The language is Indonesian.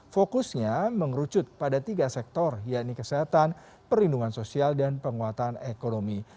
fokusnya mengerucut pada tiga sektor yakni kesehatan perlindungan sosial dan penguatan ekonomi